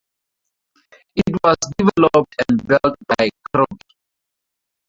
It was developed and built by Krupp.